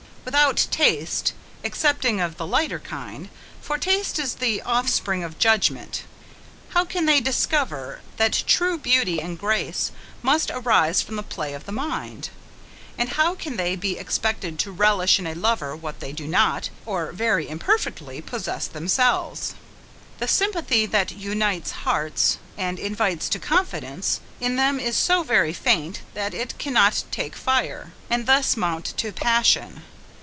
Without taste, excepting of the lighter kind, for taste is the offspring of judgment, how can they discover, that true beauty and grace must arise from the play of the mind? and how can they be expected to relish in a lover what they do not, or very imperfectly, possess themselves? The sympathy that unites hearts, and invites to confidence, in them is so very faint, that it cannot take fire, and thus mount to passion.